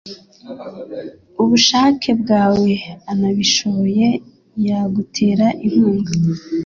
ubushake bwawe anabishoye yagutera inkunga.